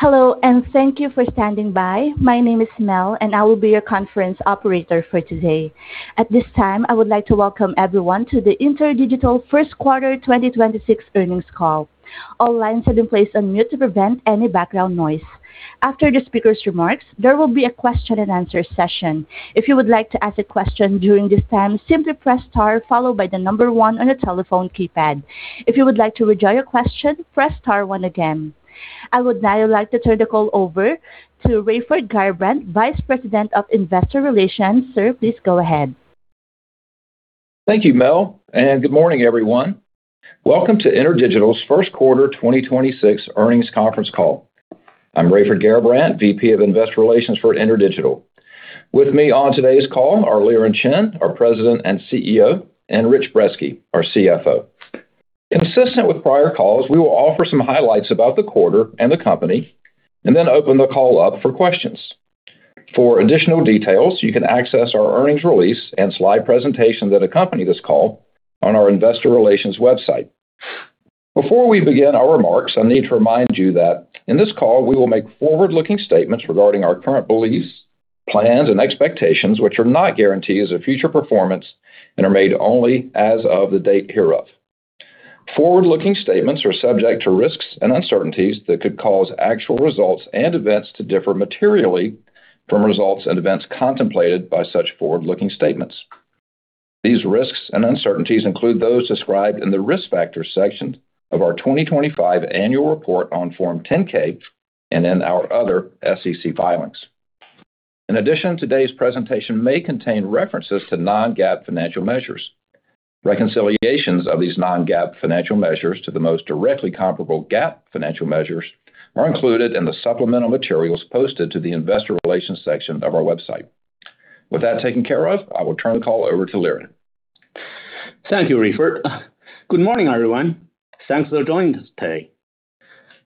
Hello, and thank you for standing by. My name is Mel, and I will be your conference operator for today. At this time, I would like to welcome everyone to the InterDigital first quarter 2026 earnings call. All lines have been placed on mute to prevent any background noise. After the speaker's remarks, there will be a question and answer session. If you would like to ask a question during this time, simply press star followed by the number one on your telephone keypad. If you would like to withdraw your question, press star one again. I would now like to turn the call over to Raiford Garrabrant, Vice President of Investor Relations. Sir, please go ahead. Thank you, Mel. Good morning, everyone. Welcome to InterDigital's first quarter 2026 earnings conference call. I'm Raiford Garrabrant, VP of Investor Relations for InterDigital. With me on today's call are Liren Chen, our President and CEO, and Richard Brezski, our CFO. Consistent with prior calls, we will offer some highlights about the quarter and the company and then open the call up for questions. For additional details, you can access our earnings release and slide presentation that accompany this call on our investor relations website. Before we begin our remarks, I need to remind you that in this call, we will make forward-looking statements regarding our current beliefs, plans, and expectations, which are not guarantees of future performance and are made only as of the date hereof. Forward-looking statements are subject to risks and uncertainties that could cause actual results and events to differ materially from results and events contemplated by such forward-looking statements. These risks and uncertainties include those described in the Risk Factors section of our 2025 annual report on Form 10-K and in our other SEC filings. In addition, today's presentation may contain references to non-GAAP financial measures. Reconciliations of these non-GAAP financial measures to the most directly comparable GAAP financial measures are included in the supplemental materials posted to the investor relations section of our website. With that taken care of, I will turn the call over to Liren. Thank you, Raiford. Good morning, everyone. Thanks for joining us today.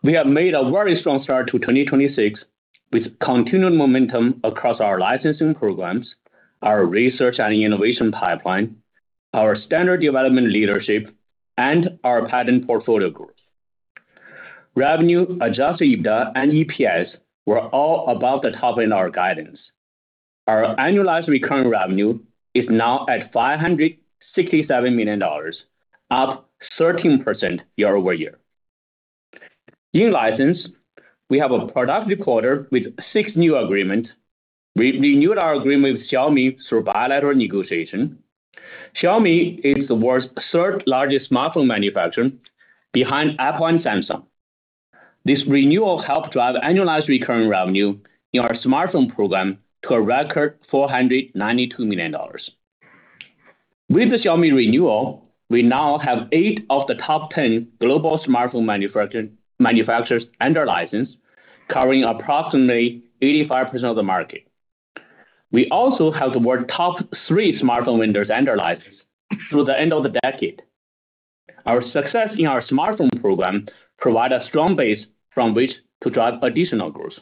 We have made a very strong start to 2026 with continued momentum across our licensing programs, our research and innovation pipeline, our standard development leadership, and our patent portfolio growth. Revenue, adjusted EBITDA, and EPS were all above the top in our guidance. Our annualized recurring revenue is now at $567 million, up 13% year-over-year. New license, we have a productive quarter with six new agreements. We renewed our agreement with Xiaomi through bilateral negotiation. Xiaomi is the world's third-largest smartphone manufacturer behind Apple and Samsung. This renewal helped drive annualized recurring revenue in our smartphone program to a record $492 million. With the Xiaomi renewal, we now have eight of the top 10 global smartphone manufacturers under license, covering approximately 85% of the market. We also have the world's top three smartphone vendors under license through the end of the decade. Our success in our smartphone program provide a strong base from which to drive additional growth.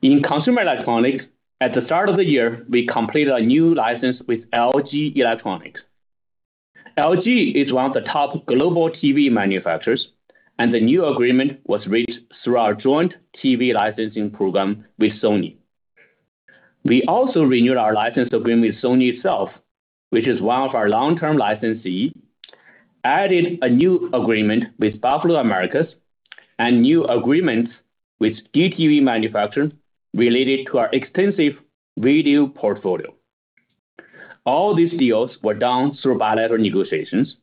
In consumer electronics, at the start of the year, we completed a new license with LG Electronics. LG is one of the top global TV manufacturers, and the new agreement was reached through our joint TV licensing program with Sony. We also renewed our license agreement with Sony itself, which is one of our long-term licensee, added a new agreement with Buffalo Americas, and new agreements with DTV manufacturer related to our extensive video portfolio. All these deals were done through bilateral negotiations.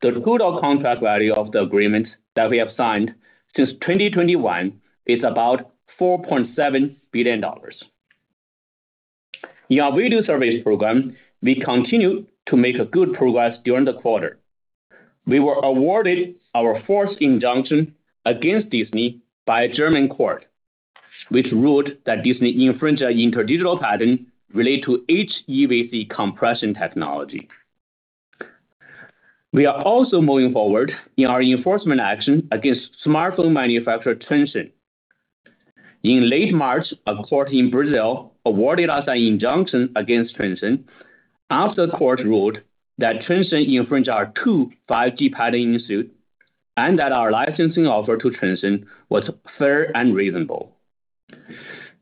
The total contract value of the agreements that we have signed since 2021 is about $4.7 billion. In our video service program, we continued to make good progress during the quarter. We were awarded our fourth injunction against Disney by a German court, which ruled that Disney infringed our InterDigital patent related to HEVC compression technology. We are also moving forward in our enforcement action against smartphone manufacturer, Transsion. In late March, a court in Brazil awarded us an injunction against Transsion after the court ruled that Transsion infringed our two 5G patents in suit and that our licensing offer to Transsion was fair and reasonable.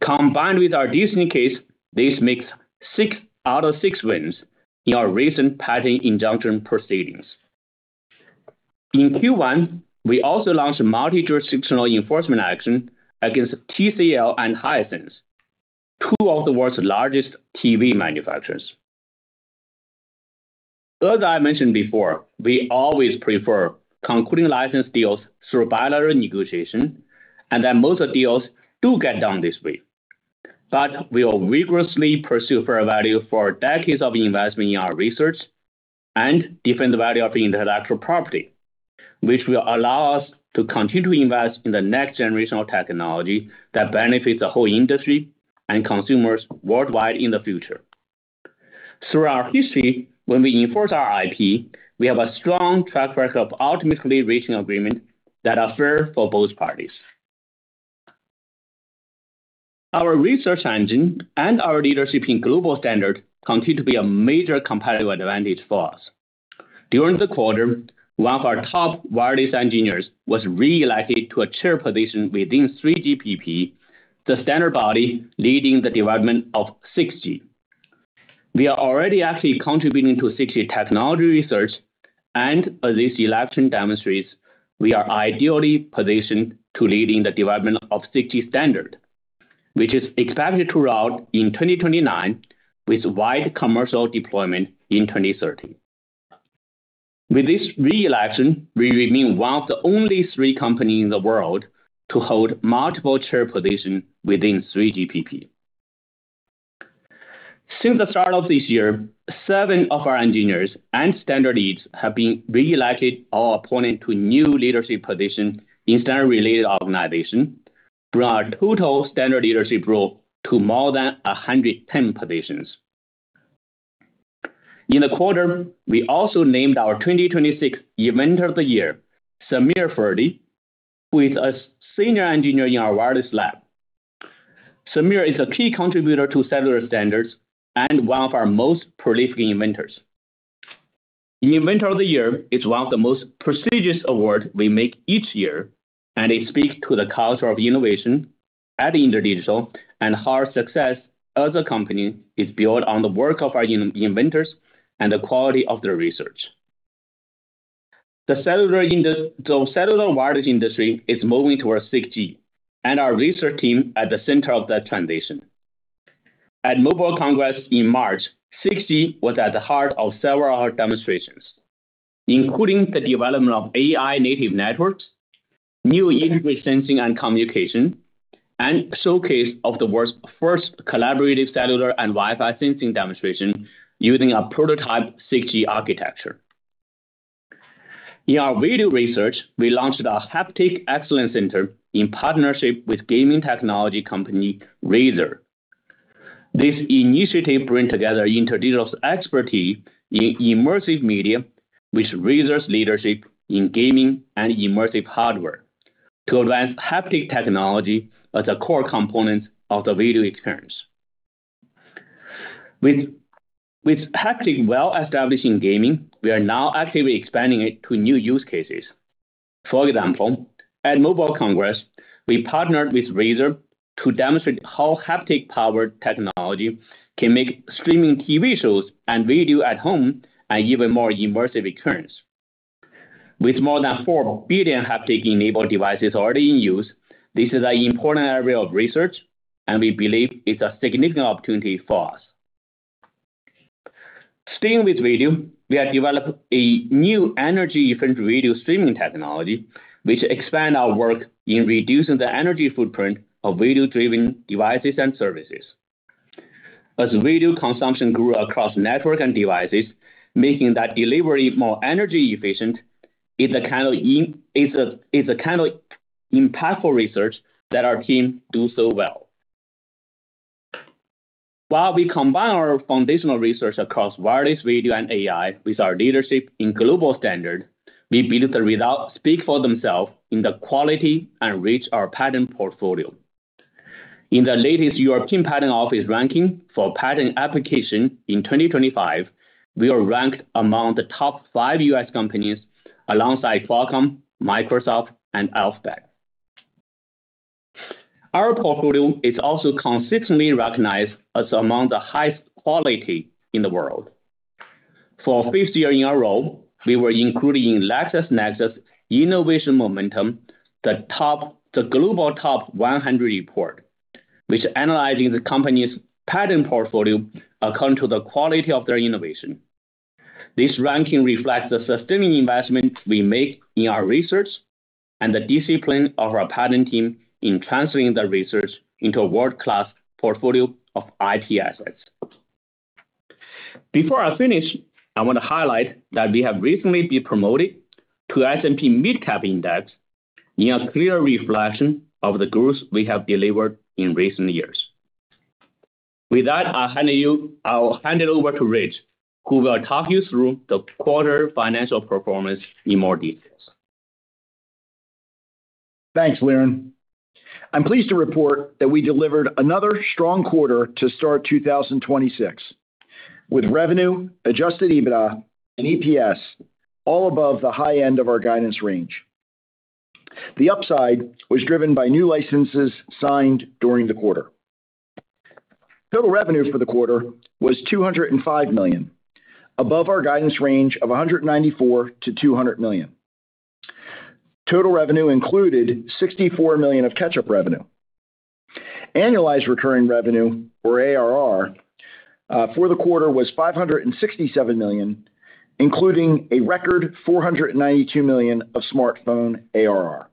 Combined with our Disney case, this makes six out of six wins in our recent patent injunction proceedings. In Q1, we also launched a multi-jurisdictional enforcement action against TCL and Hisense, two of the world's largest TV manufacturers. As I mentioned before, we always prefer concluding license deals through bilateral negotiation and that most deals do get done this way. We will vigorously pursue fair value for decades of investment in our research and defend the value of intellectual property, which will allow us to continue to invest in the next generation of technology that benefits the whole industry and consumers worldwide in the future. Through our history, when we enforce our IP, we have a strong track record of ultimately reaching agreement that are fair for both parties. Our research engine and our leadership in global standard continue to be a major competitive advantage for us. During the quarter, one of our top wireless engineers was re-elected to a chair position within 3GPP, the standard body leading the development of 6G. We are already actively contributing to 6G technology research, and as this election demonstrates, we are ideally positioned to leading the development of 6G standard, which is expected to roll out in 2029 with wide commercial deployment in 2030. With this re-election, we remain one of the only three companies in the world to hold multiple chair position within 3GPP. Since the start of this year, seven of our engineers and standard leads have been re-elected or appointed to new leadership position in standards-related organization, bring our total standard leadership role to more than 110 positions. In the quarter, we also named our 2026 Inventor of the Year, Samir Ferdi, a senior engineer in our wireless lab. Samir is a key contributor to several standards and one of our most prolific inventors. The Inventor of the Year is one of the most prestigious award we make each year, and it speaks to the culture of innovation at InterDigital and how our success as a company is built on the work of our inventors and the quality of their research. The cellular wireless industry is moving towards 6G, and our research team at the center of that transition. At Mobile World Congress in March, 6G was at the heart of several demonstrations, including the development of AI native networks, new integrated sensing and communication, and showcase of the world's first collaborative cellular and Wi-Fi sensing demonstration using a prototype 6G architecture. In our video research, we launched our Haptic Excellence Center in partnership with gaming technology company, Razer. This initiative bring together InterDigital's expertise in immersive media with Razer's leadership in gaming and immersive hardware to advance haptic technology as a core component of the video experience. With haptic well established in gaming, we are now actively expanding it to new use cases. For example, at Mobile World Congress, we partnered with Razer to demonstrate how haptic-powered technology can make streaming TV shows and video at home an even more immersive experience. With more than 4 billion haptic-enabled devices already in use, this is an important area of research, and we believe it's a significant opportunity for us. Staying with video, we are developing a new energy-efficient video streaming technology which expand our work in reducing the energy footprint of video-driven devices and services. As video consumption grew across network and devices, making that delivery more energy efficient is the kind of impactful research that our team do so well. While we combine our foundational research across wireless video and AI with our leadership in global standard, we believe the results speak for themselves in the quality and reach our patent portfolio. In the latest European Patent Office ranking for patent application in 2025, we are ranked among the top five U.S. companies alongside Qualcomm, Microsoft, and Alphabet. Our portfolio is also consistently recognized as among the highest quality in the world. For fifth year in a row, we were included in LexisNexis Innovation Momentum, the Global Top 100 Report, which analyzes the company's patent portfolio according to the quality of their innovation. This ranking reflects the sustaining investment we make in our research and the discipline of our patent team in translating the research into a world-class portfolio of IP assets. Before I finish, I want to highlight that we have recently been promoted to S&P MidCap index in a clear reflection of the growth we have delivered in recent years. With that, I'll hand it over to Rich, who will talk you through the quarter financial performance in more details. Thanks, Liren. I'm pleased to report that we delivered another strong quarter to start 2026, with revenue, adjusted EBITDA and EPS all above the high end of our guidance range. The upside was driven by new licenses signed during the quarter. Total revenue for the quarter was $205 million, above our guidance range of $194 million-$200 million. Total revenue included $64 million of catch-up revenue. Annualized recurring revenue, or ARR, for the quarter was $567 million, including a record $492 million of smartphone ARR.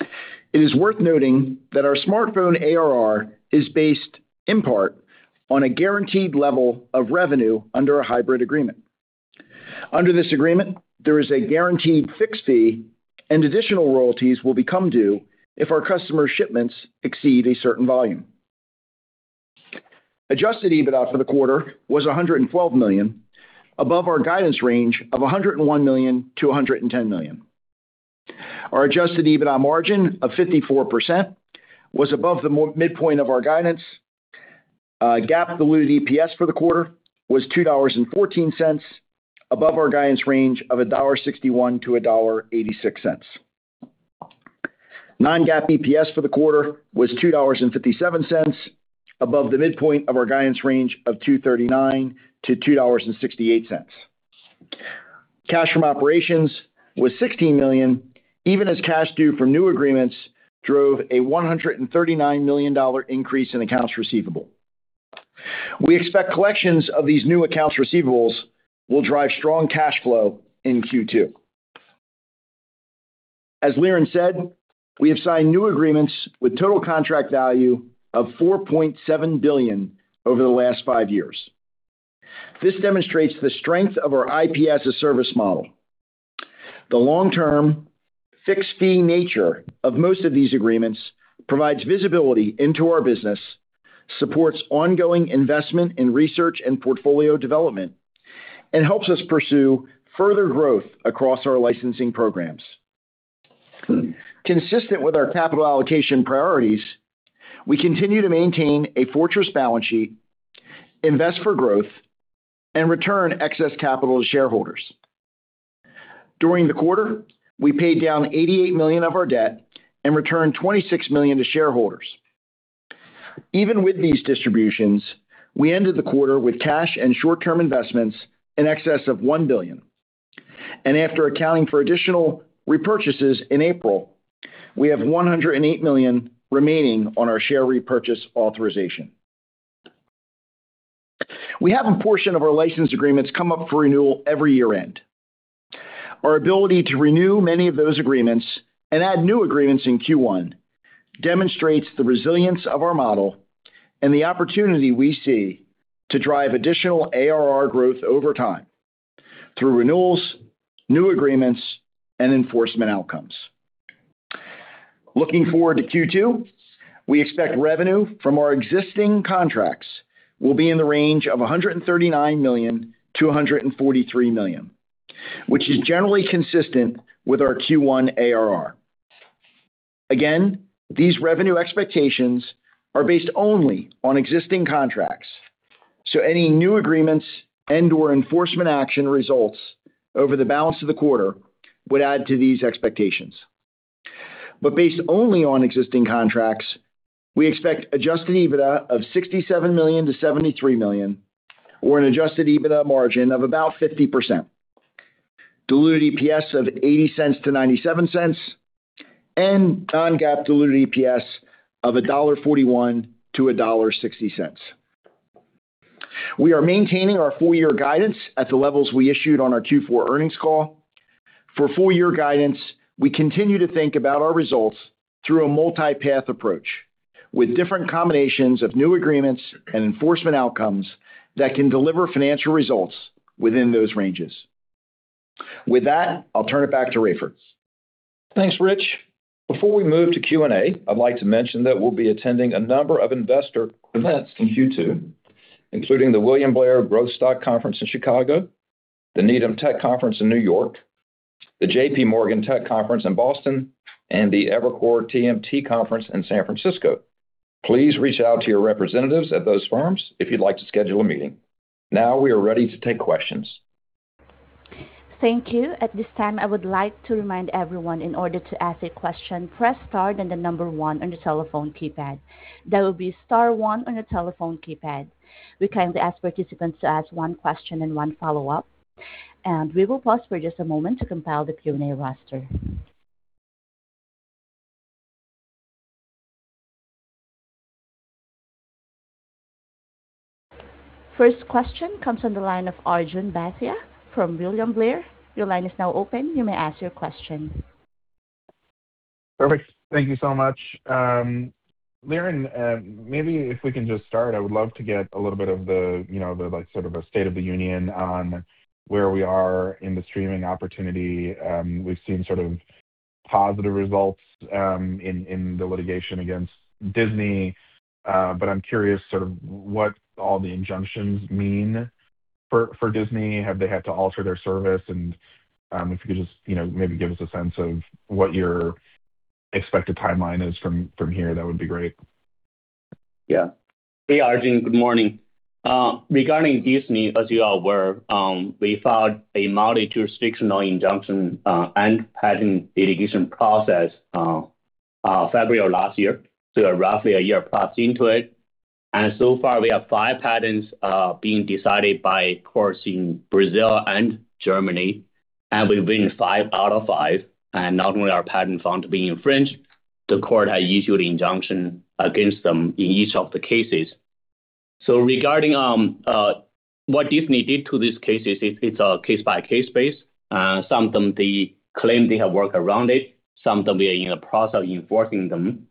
It is worth noting that our smartphone ARR is based in part on a guaranteed level of revenue under a hybrid agreement. Under this agreement, there is a guaranteed fixed fee and additional royalties will become due if our customer shipments exceed a certain volume. Adjusted EBITDA for the quarter was $112 million, above our guidance range of $101 million-$110 million. Our adjusted EBITDA margin of 54% was above the midpoint of our guidance. GAAP diluted EPS for the quarter was $2.14, above our guidance range of $1.61-$1.86. Non-GAAP EPS for the quarter was $2.57, above the midpoint of our guidance range of $2.39-$2.68. Cash from operations was $16 million, even as cash due from new agreements drove a $139 million increase in accounts receivable. We expect collections of these new accounts receivables will drive strong cash flow in Q2. As Liren said, we have signed new agreements with total contract value of $4.7 billion over the last five years. This demonstrates the strength of our IP-as-a-service model. The long-term fixed fee nature of most of these agreements provides visibility into our business, supports ongoing investment in research and portfolio development, and helps us pursue further growth across our licensing programs. Consistent with our capital allocation priorities, we continue to maintain a fortress balance sheet, invest for growth, and return excess capital to shareholders. During the quarter, we paid down $88 million of our debt and returned $26 million to shareholders. Even with these distributions, we ended the quarter with cash and short-term investments in excess of $1 billion. After accounting for additional repurchases in April, we have $108 million remaining on our share repurchase authorization. We have a portion of our license agreements come up for renewal every year-end. Our ability to renew many of those agreements and add new agreements in Q1 demonstrates the resilience of our model and the opportunity we see to drive additional ARR growth over time through renewals, new agreements, and enforcement outcomes. Looking forward to Q2, we expect revenue from our existing contracts will be in the range of $139 million-$143 million, which is generally consistent with our Q1 ARR. Again, these revenue expectations are based only on existing contracts, so any new agreements and/or enforcement action results over the balance of the quarter would add to these expectations. Based only on existing contracts, we expect adjusted EBITDA of $67 million-$73 million or an adjusted EBITDA margin of about 50%, diluted EPS of $0.80-$0.97, and non-GAAP diluted EPS of $1.41-$1.60. We are maintaining our full-year guidance at the levels we issued on our Q4 earnings call. For full-year guidance, we continue to think about our results through a multi-path approach with different combinations of new agreements and enforcement outcomes that can deliver financial results within those ranges. With that, I'll turn it back to Raiford. Thanks, Rich. Before we move to Q&A, I'd like to mention that we'll be attending a number of investor events in Q2, including the William Blair Growth Stock Conference in Chicago, the Needham Tech Conference in New York, the JPMorgan Tech Conference in Boston, and the Evercore TMT Conference in San Francisco. Please reach out to your representatives at those firms if you'd like to schedule a meeting. Now we are ready to take questions. Thank you. At this time, I would like to remind everyone in order to ask a question, press star then the number one on your telephone keypad. That will be star one on your telephone keypad. We kindly ask participants to ask one question and one follow-up. We will pause for just a moment to compile the Q&A roster. First question comes on the line of Arjun Bhatia from William Blair. Your line is now open. You may ask your question. Perfect. Thank you so much. Liren, maybe if we can just start, I would love to get a little bit of the, you know, the like sort of a state of the union on where we are in the streaming opportunity. We've seen sort of positive results in the litigation against Disney. I'm curious sort of what all the injunctions mean for Disney. Have they had to alter their service? If you could just, you know, maybe give us a sense of what your expected timeline is from here, that would be great. Yeah. Hey, Arjun, good morning. Regarding Disney, as you are aware, we filed a multi-jurisdictional injunction and patent litigation process February of last year, so roughly a year passed into it. So far, we have five patents being decided by courts in Brazil and Germany, and we've been five out of five. Not only are patent found to be infringed, the court has issued an injunction against them in each of the cases. Regarding what Disney did to these cases, it's a case-by-case basis. Some of them, they claim they have worked around it. Some of them we are in the process of enforcing them.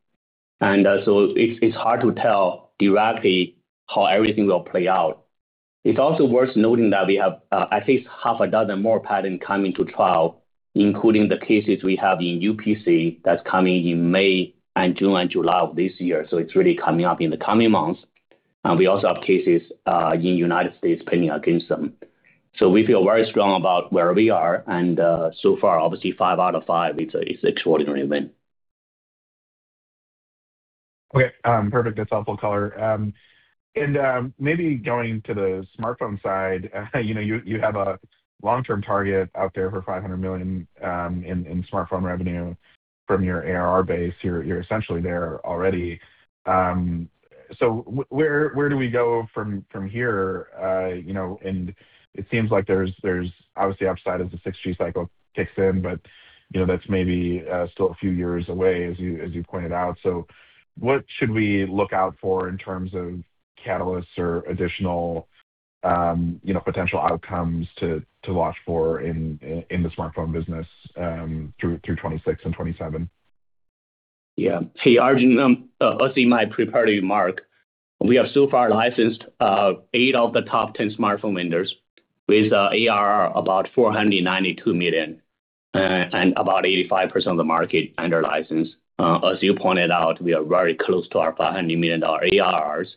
It's, it's hard to tell directly how everything will play out. It's also worth noting that we have, I think half a dozen more patents coming to trial, including the cases we have in UPC that's coming in May, June, and July of this year. It's really coming up in the coming months. We also have cases in the U.S. pending against them. We feel very strong about where we are. So far, obviously, five out of five, it's a, it's extraordinary win. Okay. Perfect. That's helpful color. Maybe going to the smartphone side, you know, you have a long-term target out there for $500 million in smartphone revenue from your ARR base. You're essentially there already. Where do we go from here? You know, it seems like there's obviously upside as the 6G cycle kicks in. You know, that's maybe still a few years away, as you pointed out. What should we look out for in terms of catalysts or additional, you know, potential outcomes to watch for in the smartphone business through 2026 and 2027? Yeah. Hey, Arjun. As in my prepared remark, we have so far licensed eight of the top 10 smartphone vendors with ARR about $492 million and about 85% of the market under license. As you pointed out, we are very close to our $500 million ARRs.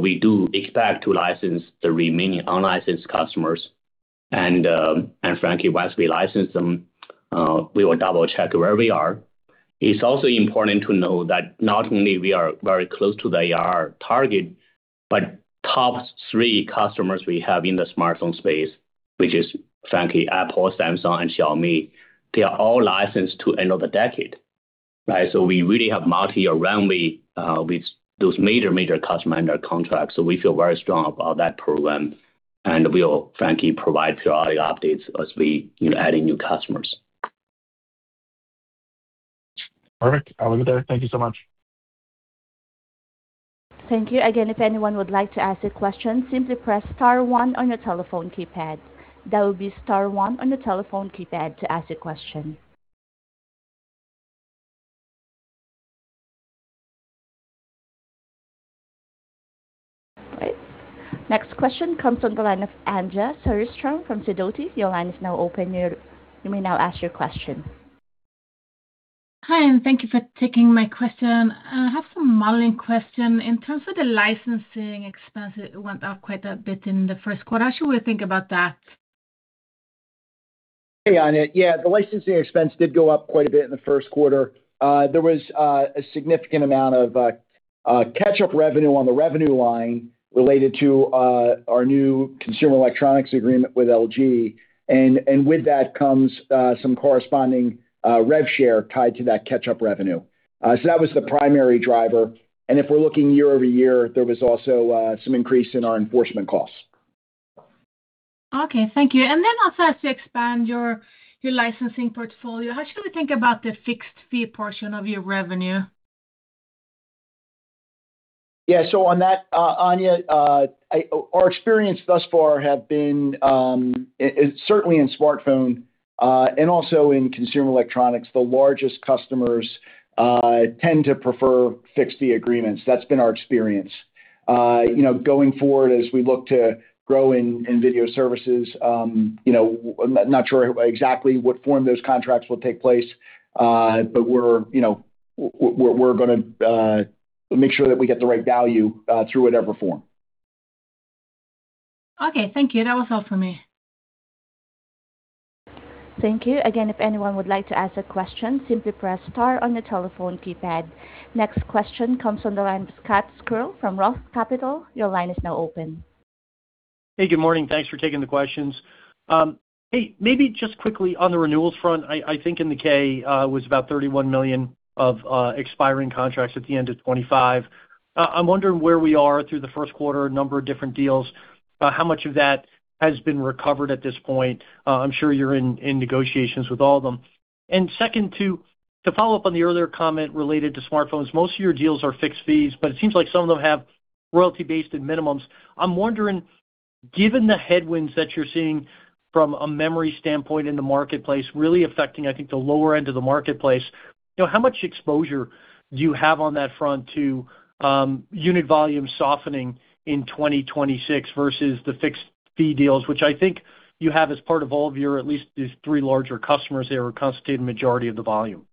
We do expect to license the remaining unlicensed customers. Frankly, once we license them, we will double-check where we are. It's also important to know that not only we are very close to the ARR target, but top three customers we have in the smartphone space, which is frankly Apple, Samsung and Xiaomi, they are all licensed to end of the decade, right? We really have multi-year revenue with those major customer under contract, so we feel very strong about that program. We'll frankly provide periodic updates as we, you know, adding new customers. Perfect. I'll leave it there. Thank you so much. Thank you. Again, if anyone would like to ask a question, simply press star one on your telephone keypad. That would be star one on your telephone keypad to ask a question. Right. Next question comes on the line of Anja Soderstrom from Sidoti & Company. Your line is now open. You may now ask your question. Hi, thank you for taking my question. I have some modeling question. In terms of the licensing expense, it went up quite a bit in the first quarter. How should we think about that? Hey, Anja. Yeah, the licensing expense did go up quite a bit in the first quarter. There was a significant amount of catch-up revenue on the revenue line related to our new consumer electronics agreement with LG. With that comes some corresponding rev share tied to that catch-up revenue. That was the primary driver. If we're looking year-over-year, there was also some increase in our enforcement costs. Okay. Thank you. Also as you expand your licensing portfolio, how should we think about the fixed fee portion of your revenue? On that, Anja Soderstrom, our experience thus far have been certainly in smartphone and also in consumer electronics, the largest customers tend to prefer fixed fee agreements. That's been our experience. You know, going forward as we look to grow in video services, you know, I'm not sure exactly what form those contracts will take place, but we're, you know, we're gonna make sure that we get the right value through whatever form. Okay. Thank you. That was all for me. Thank you. Again, if anyone would like to ask a question, simply press star on your telephone keypad. Next question comes from the line of Scott Searle from ROTH Capital Partners. Your line is now open. Hey, good morning. Thanks for taking the questions. Hey, maybe just quickly on the renewals front. I think in the K was about $31 million of expiring contracts at the end of 2025. I'm wondering where we are through the first quarter, a number of different deals. How much of that has been recovered at this point? I'm sure you're in negotiations with all of them. Second, to follow up on the earlier comment related to smartphones. Most of your deals are fixed fees, but it seems like some of them have royalty-based and minimums. I'm wondering, given the headwinds that you're seeing from a memory standpoint in the marketplace really affecting, I think, the lower end of the marketplace, you know, how much exposure do you have on that front to unit volume softening in 2026 versus the fixed fee deals, which I think you have as part of all of your at least these three larger customers there who constitute the majority of the volume?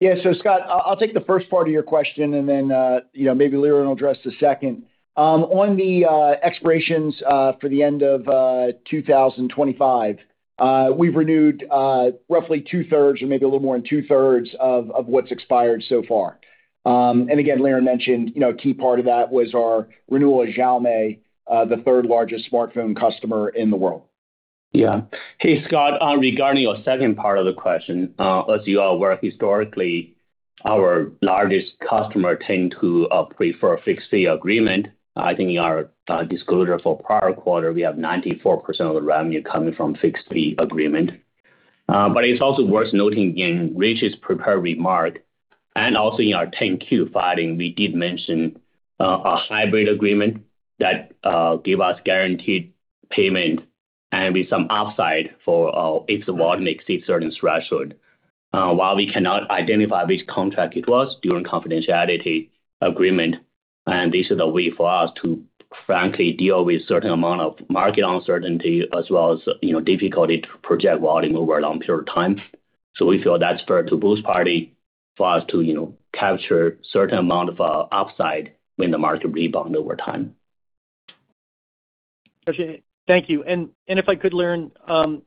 Yeah. Scott, I'll take the first part of your question and then maybe Liren will address the second. On the expirations for the end of 2025, we've renewed roughly 2/3 or maybe a little more than 2/3 of what's expired so far. Again, Liren mentioned a key part of that was our renewal of Xiaomi, the third-largest smartphone customer in the world. Yeah. Hey, Scott, regarding your second part of the question. As you are aware historically, our largest customer tend to prefer a fixed fee agreement. I think in our disclosure for prior quarter, we have 94% of the revenue coming from fixed fee agreement. It's also worth noting in Rich's prepared remark and also in our Form 10-Q filing, we did mention a hybrid agreement that give us guaranteed payment and with some upside for if the volume exceeds certain threshold. While we cannot identify which contract it was due to confidentiality agreement, and this is a way for us to frankly deal with certain amount of market uncertainty as well as, you know, difficulty to project volume over a long period of time. We feel that's fair to both parties for us to, you know, capture certain amount of upside when the market rebound over time. Okay. Thank you. If I could, Liren,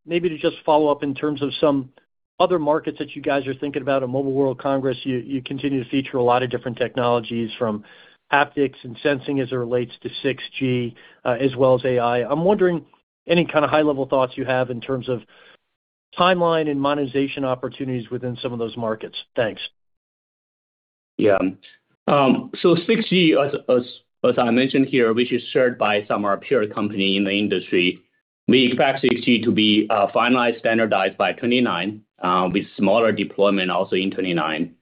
maybe to just follow up in terms of some other markets that you guys are thinking about at Mobile World Congress. You continue to feature a lot of different technologies from haptics and sensing as it relates to 6G, as well as AI. I'm wondering any kind of high-level thoughts you have in terms of timeline and monetization opportunities within some of those markets. Thanks. Yeah. As I mentioned here, which is shared by some of our peer company in the industry, we expect 6G to be finalized, standardized by 2029, with smaller deployment also in 2029.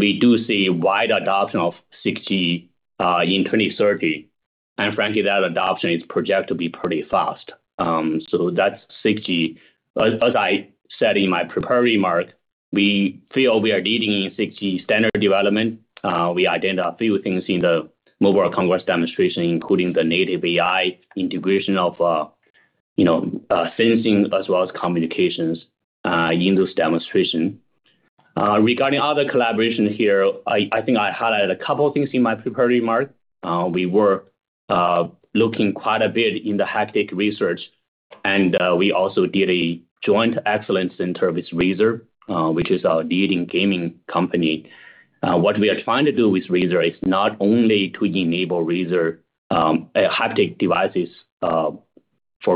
We do see wide adoption of 6G in 2030. Frankly, that adoption is projected to be pretty fast. That's 6G. As I said in my prepared remark, we feel we are leading in 6G standard development. We identified a few things in the Mobile World Congress demonstration, including the native AI integration of, you know, sensing as well as communications in this demonstration. Regarding other collaboration here, I think I highlighted a couple of things in my prepared remark. We were looking quite a bit in the haptic research, and we also did a joint excellence center with Razer, which is a leading gaming company. What we are trying to do with Razer is not only to enable Razer haptic devices for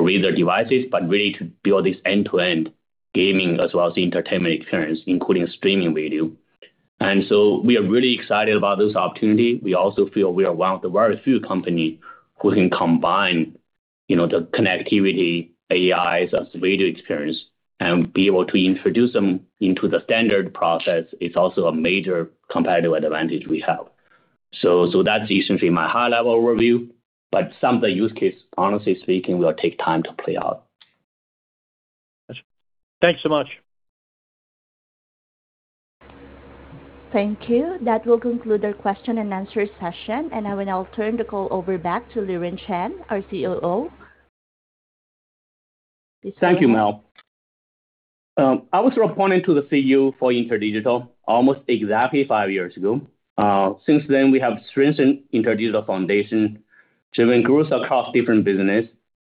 Razer devices, but really to build this end-to-end gaming as well as entertainment experience, including streaming video. We are really excited about this opportunity. We also feel we are one of the very few company who can combine, you know, the connectivity, AI as a video experience and be able to introduce them into the standard process. It's also a major competitive advantage we have. That's essentially my high-level overview, but some of the use case, honestly speaking, will take time to play out. Thanks so much. Thank you. That will conclude our question and answer session, and I will now turn the call over back to Liren Chen, our CEO. Thank you, Mel. I was appointed to the CEO for InterDigital almost exactly five years ago. Since then, we have strengthened InterDigital foundation, driven growth across different business,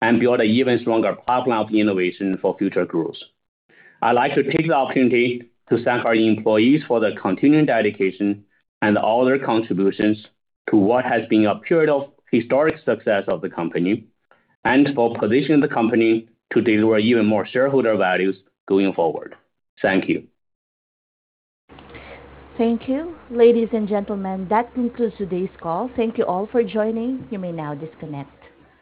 and built an even stronger pipeline of innovation for future growth. I'd like to take the opportunity to thank our employees for their continuing dedication and all their contributions to what has been a period of historic success of the company and for positioning the company to deliver even more shareholder values going forward. Thank you. Thank you. Ladies and gentlemen, that concludes today's call. Thank you all for joining. You may now disconnect.